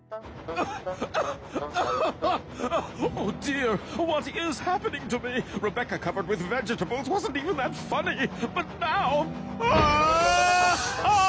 ああ。